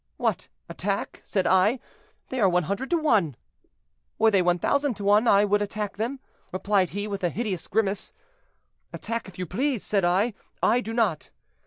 'What! attack?' said I; 'they are 100 to one.' 'Were they 1,000 to one, I would attack them,' replied he, with a hideous grimace. 'Attack if you please,' said I; 'I do not.'